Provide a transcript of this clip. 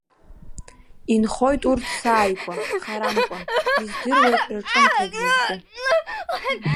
Инхоит урҭ сааигәа, харамкәа, издыруеит рҿымҭрагь зызку.